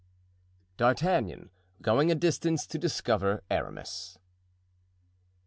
D'Artagnan, Going to a Distance to discover Aramis.